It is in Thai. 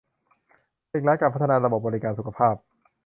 เร่งรัดการพัฒนาระบบบริการสุขภาพ